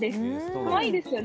かわいいですよね。